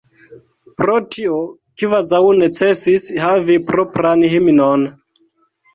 Pro tio kvazaŭ necesis havi propran himnon.